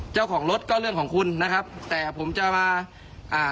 เจ้าของรถก็เรื่องของคุณนะครับแต่ผมจะมาอ่า